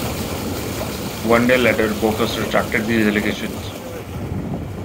One day later, Boskus retracted these allegations.